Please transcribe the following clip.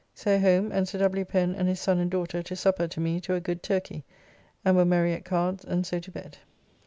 So home, and Sir W. Pen and his son and daughter to supper to me to a good turkey, and were merry at cards, and so to bed.